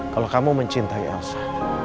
kalau kamu mencintai elsa